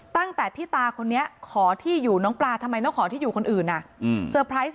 ตั้งแต่พี่ตาคนนี้ขอที่อยู่น้องปลาทำไมต้องขอที่อยู่คนอื่นเซอร์ไพรส์